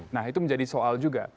nah itu menjadi soal juga